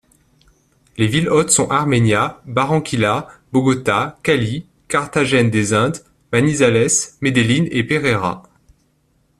Les villes-hôtes sont Armenia, Barranquilla, Bogota, Cali, Carthagène des Indes, Manizales, Medellín et Pereira.